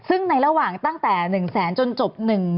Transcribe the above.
ซึ่งในระหว่างตั้งแต่๑แสนจนจบ